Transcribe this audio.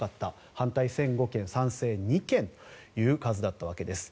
反対１００５件、賛成２件という数だったわけです。